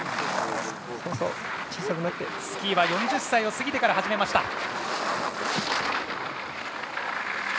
スキーは４０歳を過ぎてから始めました。